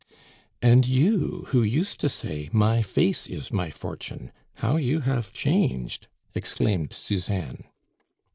"And you, who used to say, 'My face is my fortune!' How you have changed!" exclaimed Suzanne.